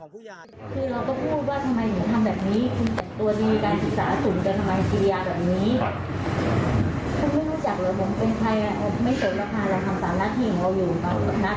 คือเราก็พูดว่าทำไมหนูทำแบบนี้